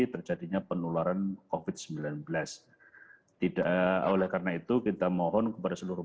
terjadinya penularan covid sembilan belas tidak oleh karena itu kita mohon kepada seluruh